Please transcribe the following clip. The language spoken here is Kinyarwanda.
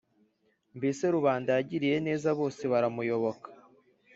mbese rubanda yagiriye neza bose baramuyoboka